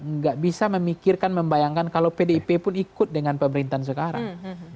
nggak bisa memikirkan membayangkan kalau pdip pun ikut dengan pemerintahan sekarang